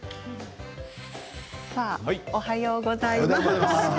おはようございます。